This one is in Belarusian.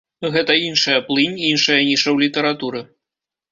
Гэта іншая плынь, іншая ніша ў літаратуры.